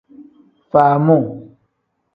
Faamuu.